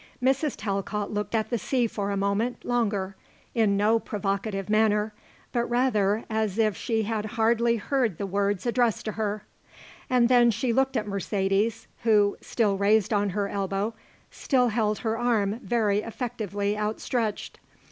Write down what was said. Mrs. Talcott looked at the sea for a moment longer, in no provocative manner, but rather as if she had hardly heard the words addressed to her; and then she looked at Mercedes, who, still raised on her elbow, still held her arm very effectively outstretched.